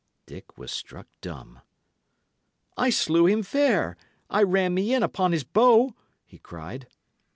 Dick was struck dumb. "I slew him fair. I ran me in upon his bow," he cried.